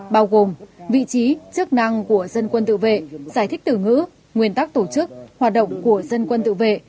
bao gồm vị trí chức năng của dân quân tự vệ giải thích từ ngữ nguyên tắc tổ chức hoạt động của dân quân tự vệ